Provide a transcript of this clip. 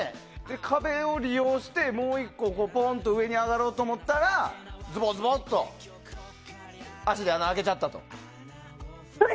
壁を利用してもう１個上がろうと思ったらズボズボっと足で穴を開けちゃったと。